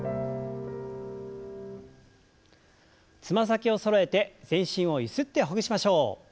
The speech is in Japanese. つま先をそろえて全身をゆすってほぐしましょう。